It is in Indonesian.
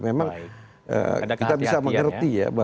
memang kita bisa mengerti ya